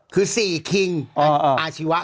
คือ๔คิงอาชีวะ